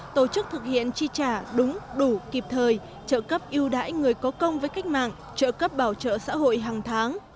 tổ chức thực hiện chi trả đúng đủ kịp thời trợ cấp yêu đãi người có công với cách mạng trợ cấp bảo trợ xã hội hàng tháng